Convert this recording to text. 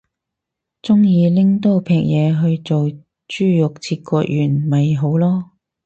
鍾意拎刀劈嘢去做豬肉切割員咪好囉